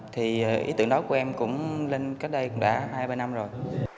thì ý tưởng đó của em cũng lên cách đây cũng đã hai ba năm rồi